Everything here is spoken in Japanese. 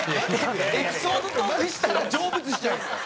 エピソードトークしたら成仏しちゃうんですか。